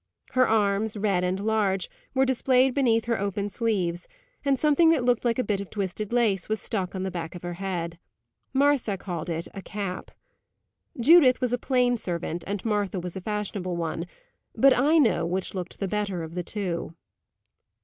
Her arms, red and large, were displayed beneath her open sleeves, and something that looked like a bit of twisted lace was stuck on the back of her head. Martha called it a "cap." Judith was a plain servant, and Martha was a fashionable one; but I know which looked the better of the two.